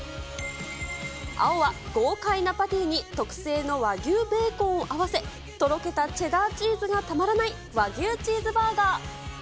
青は豪快なパティに特製の和牛ベーコンを合わせ、とろけたチェダーチーズがたまらない和牛チーズバーガー。